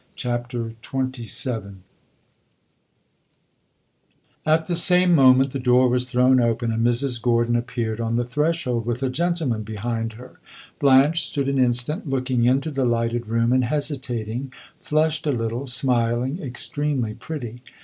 CHAPTER XXVII At the same moment the door was thrown open, and Mrs. Gordon appeared on the threshold with a gentleman behind her. Blanche stood an instant looking into the lighted room and hesitating flushed a little, smiling, extremely pretty.